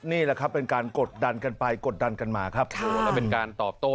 นี่แหละครับเป็นการกดดันกันไปกดดันกันมาครับแล้วเป็นการตอบโต้